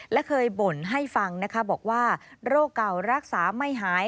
และเคยบ่นให้ฟังนะคะบอกว่าโรคเก่ารักษาไม่หาย